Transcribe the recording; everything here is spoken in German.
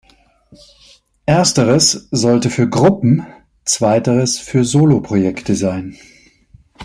Ersteres sollte für Gruppen-, zweiteres für Soloprojekte sein.